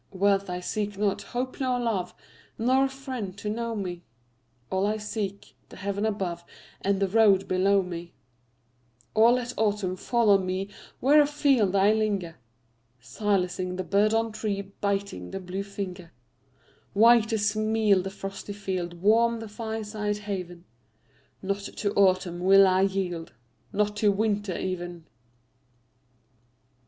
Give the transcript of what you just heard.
Wealth I seek not, hope nor love, Nor a friend to know me; All I seek, the heaven above And the road below me. Or let autumn fall on me Where afield I linger, Silencing the bird on tree, Biting the blue finger. White as meal the frosty field Warm the fireside haven Not to autumn will I yield, Not to winter even!